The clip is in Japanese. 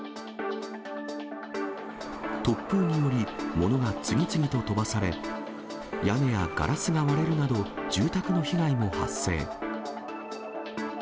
突風により、ものが次々と飛ばされ、屋根やガラスが割れるなど、住宅の被害も発生。